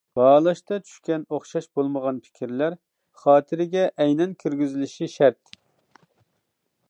باھالاشتا چۈشكەن ئوخشاش بولمىغان پىكىرلەر خاتىرىگە ئەينەن كىرگۈزۈلۈشى شەرت.